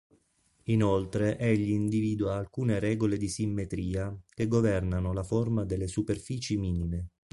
Inoltre egli individua alcune regole di simmetria che governano la forma delle superfici minime.